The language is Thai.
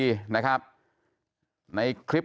มีจุดเกิดเหตุเหมือนกันอันนี้เป็นประมาณสามทุ่มสามสิบเอ็ดนาทีนะครับ